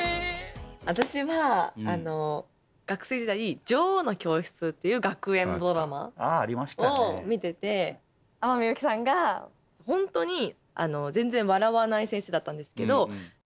私は学生時代「女王の教室」っていう学園ドラマを見てて天海祐希さんがホントに全然笑わない先生だったんですけど。